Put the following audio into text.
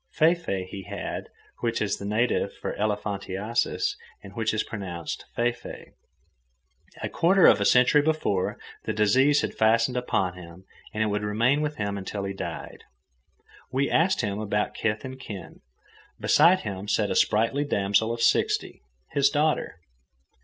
Fee fee he had, which is the native for elephantiasis and which is pronounced fay fay. A quarter of a century before, the disease had fastened upon him, and it would remain with him until he died. We asked him about kith and kin. Beside him sat a sprightly damsel of sixty, his daughter.